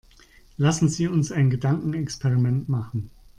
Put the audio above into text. Lassen Sie uns ein Gedankenexperiment machen.